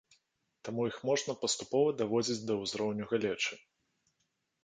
Таму іх можна паступова даводзіць да ўзроўню галечы.